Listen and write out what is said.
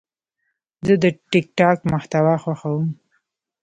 زه د ټک ټاک محتوا خوښوم.